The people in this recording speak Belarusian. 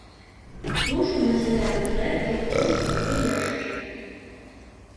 Сушу насяляюць рэдкія птушкі і яшчаркі.